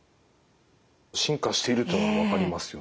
進化しているというのが分かりますよね。